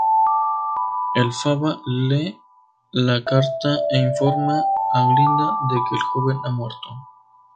Elphaba lee la carta e informa a Glinda de que el joven ha muerto.